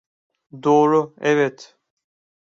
Doğru, evet.